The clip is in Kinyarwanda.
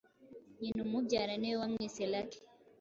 nyina umubyara ni we wamwise “Lucky”